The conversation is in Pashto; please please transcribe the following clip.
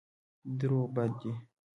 دروغ بد دی.